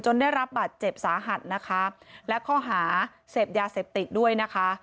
ได้รับบัตรเจ็บสาหัสนะคะและข้อหาเสพยาเสพติดด้วยนะคะ